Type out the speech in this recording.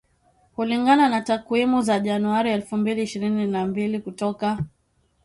Kulingana na takwimu za Januari elfu mbili ishirni na mbili kutoka